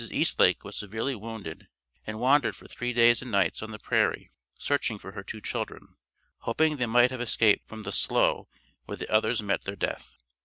Eastlake was severely wounded, and wandered for three days and nights on the prairie searching for her two children, hoping they might have escaped from the slough where the others met their death.